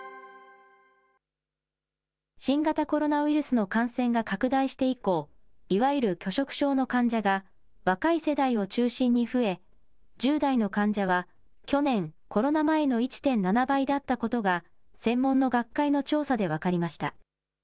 新型コロナウイルスの感染が拡大して以降、いわゆる拒食症の患者が若い世代を中心に増え、１０代の患者は去年、コロナ前の１．７倍だったことが、専門の学会の調査で分かりました。